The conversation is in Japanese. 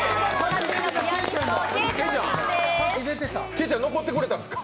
けいちゃん、残ってくれたんですか？